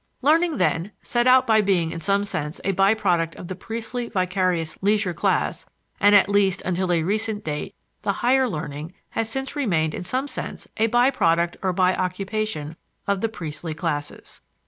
Learning, then, set out by being in some sense a by product of the priestly vicarious leisure class; and, at least until a recent date, the higher learning has since remained in some sense a by product or by occupation of the priestly classes.